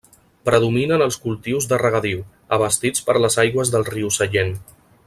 Predominen els cultius de regadiu, abastits per les aigües del riu Sallent.